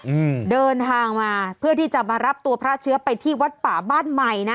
อืมเดินทางมาเพื่อที่จะมารับตัวพระเชื้อไปที่วัดป่าบ้านใหม่นะ